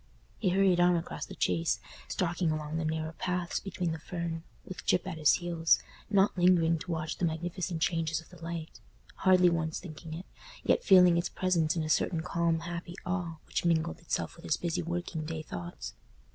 He hurried on across the Chase, stalking along the narrow paths between the fern, with Gyp at his heels, not lingering to watch the magnificent changes of the light—hardly once thinking of it—yet feeling its presence in a certain calm happy awe which mingled itself with his busy working day thoughts.